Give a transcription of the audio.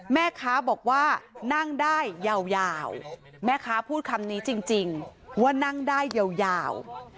แม่ค้าบอกว่านั่งได้ยาวแม่ค้าพูดคำนี้จริงว่านั่งได้ยาว